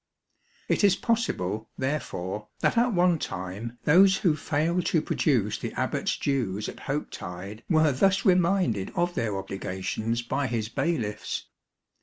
It is possible, therefore, that at one time those who failed to produce the Abbat's dues at Hoke tide were thus reminded of their obligations by his bailiffs.